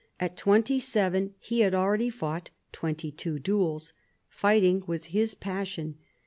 At twenty seven he had already fought twenty two duels. Fighting was his passion.